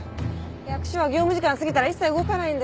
役所は業務時間過ぎたら一切動かないんだよ。